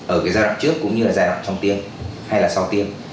ở cái giai đoạn trước cũng như là giai đoạn trong tiêm hay là sau tiêm